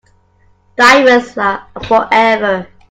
Diamonds are forever.